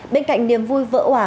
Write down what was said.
bên cạnh niềm vui vỡ hỏa